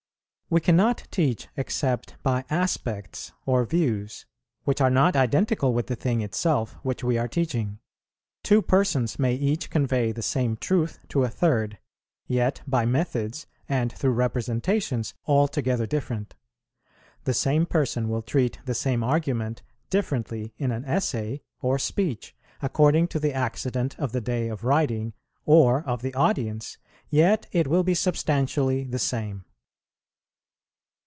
We cannot teach except by aspects or views, which are not identical with the thing itself which we are teaching. Two persons may each convey the same truth to a third, yet by methods and through representations altogether different. The same person will treat the same argument differently in an essay or speech, according to the accident of the day of writing, or of the audience, yet it will be substantially the same.